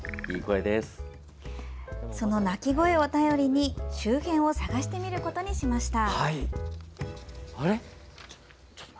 その鳴き声を頼りに周辺を探してみることにしました。